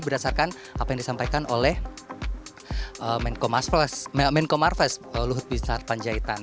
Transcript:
berdasarkan apa yang disampaikan oleh menko marfest luhut bintang harapan jaitan